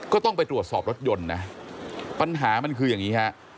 ก็ต้องไปตรวจสอบรถยนต์นะปัญหามันคืออย่างนี้ฮะ